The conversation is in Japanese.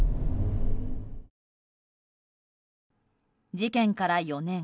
事件から４年